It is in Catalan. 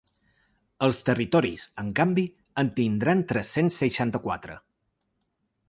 Els territoris, en canvi, en tindran tres-cents seixanta-quatre.